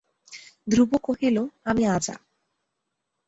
ধ্রুব কহিল, আমি আজা।